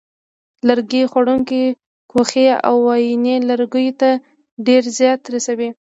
لرګي خوړونکې کوخۍ او وایینې لرګیو ته ډېر زیان رسوي.